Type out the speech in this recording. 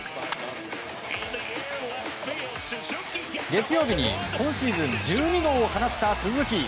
月曜日に今シーズン１２号を放った鈴木。